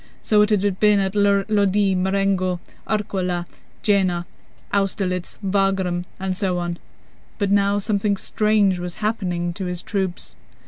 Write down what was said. So it had been at Lodi, Marengo, Arcola, Jena, Austerlitz, Wagram, and so on. But now something strange was happening to his troops.